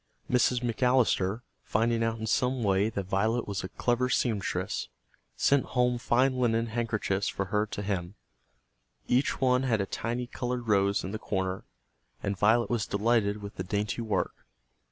Mrs. McAllister, finding out in some way that Violet was a clever seamstress, sent home fine linen handkerchiefs for her to hem. Each one had a tiny colored rose in the corner, and Violet was delighted with the dainty work.